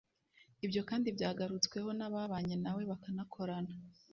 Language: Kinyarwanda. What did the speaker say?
Ibyo kandi byagarutsweho n’ababanye nawe bakanakorana